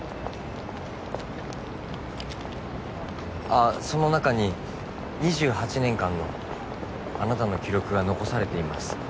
ああその中に２８年間のあなたの記録が残されています。